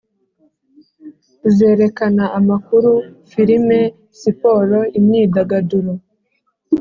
zerekana amakuru, filime, siporo, imyidagaduro,